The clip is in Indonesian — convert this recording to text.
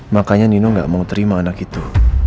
makanya nino gak mau terima anak itu